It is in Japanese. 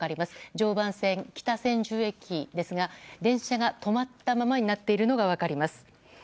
常磐線北千住駅ですが電車が止まったままになっているのが分かります。